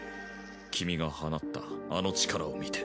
君が放ったあの力を見て。